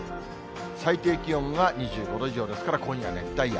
最低気温は２５度以上ですから、今夜は熱帯夜。